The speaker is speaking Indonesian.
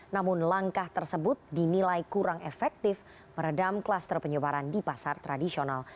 namun langkah tersebut dinilai kurang efektif meredam klaster penyebaran di pasar tradisional